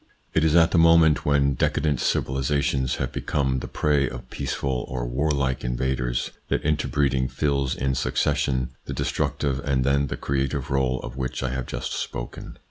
It is at the moment when decadent civilisations have become the prey of peaceful or warlike invaders that interbreeding fills in succession the destructive and then the creative role of which I have just spoken.